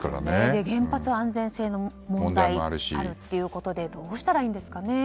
でも、原発には安全性の問題があるってことでどうしたらいいんですかね。